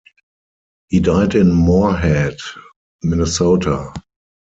He died in Moorhead, Minnesota.